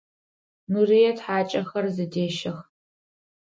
Нурыет хьакӏэхэр зыдещэх.